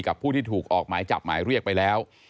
ผู้ที่ถูกออกหมายจับหมายเรียกไปแล้ว